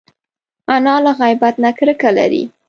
انا له غیبت نه کرکه لري